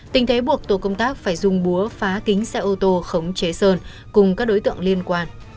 tình thế buộc tổ công tác phải dùng búa phá kính xe ô tô khống chế sơn cùng các đối tượng liên quan